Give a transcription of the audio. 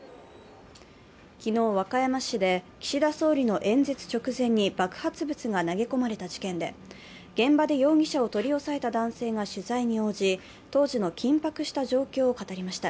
昨日、和歌山市で岸田総理の演説直前に爆発物が投げ込まれた事件で、現場で容疑者を取り押さえた男性が取材に応じ、当時の緊迫した状況を語りました。